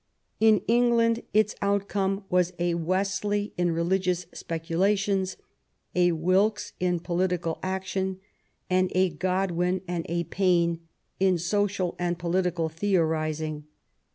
In England its outcome was a Wesley in religious speculation, a Wilkes in political action, and a Godwin and a Paine in social and political theorizing.